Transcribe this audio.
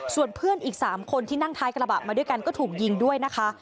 ส่วนเพื่อนอีก๓คนที่นั่งท้ายกระบะมาด้วยกันก็ถูกยิงด้วยนะคะ